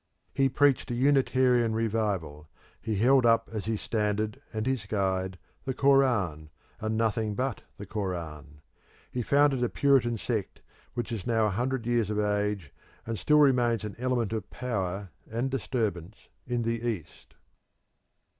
He preached a Unitarian revival; he held up as his standard and his guide the Koran, and nothing but the Koran; he founded a puritan sect which is now a hundred years of age, and still remains an element of power and disturbance in the East.